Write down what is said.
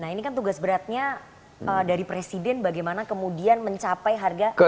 nah ini kan tugas beratnya dari presiden bagaimana kemudian mencapai harga empat belas ribu